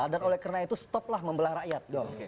dan oleh karena itu stoplah membelah rakyat